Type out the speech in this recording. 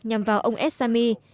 nhằm vào ông al assami